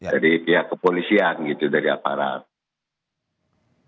dari pihak kepolisian gitu dari aparat